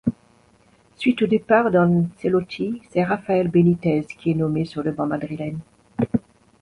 Suite au départ d'Ancelotti, c'est Rafael Benitez qui est nommé sur le banc madrilène.